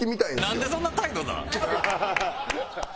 なんでそんな態度なん？